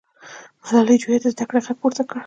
ملالۍ جویا د زده کړې غږ پورته کړ.